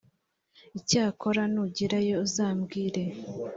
icyakora nugerayo uzabwire